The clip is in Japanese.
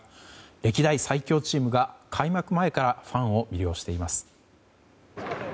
歴代最強チームが開幕前からファンを魅了しています。